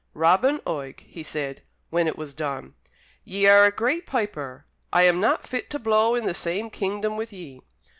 "Robin Oig," he said, when it was done, "ye are a great piper. I am not fit to blow in the same kingdom with ye.